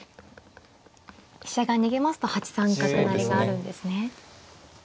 飛車が逃げますと８三角成があるんですね。